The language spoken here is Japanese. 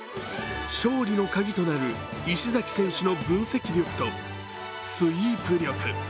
勝利の鍵となる、石崎選手の分析力とスイープ力。